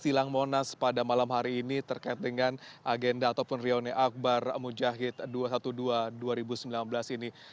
silang monas pada malam hari ini terkait dengan agenda ataupun reuni akbar mujahid dua ratus dua belas dua ribu sembilan belas ini